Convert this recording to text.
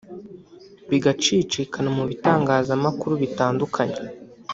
bigacicikana mu bitangazamakuru bitandukanye